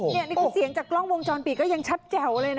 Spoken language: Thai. นี่คือเสียงจากกล้องวงจรปิดก็ยังชัดแจ่วเลยนะ